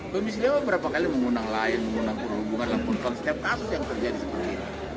bermisliwa berapa kali mengundang lion mengundang perhubungan setiap kasus yang terjadi seperti ini